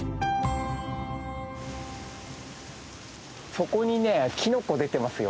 そこにねキノコ出てますよ。